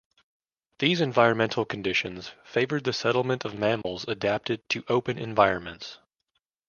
These environmental conditions favored the settlement of mammals adapted to open environments.